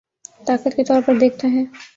طاقت کے طور پر دیکھتا ہے